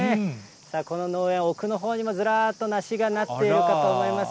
この農園、奥のほうにもずらーっと、梨がなっているかと思います。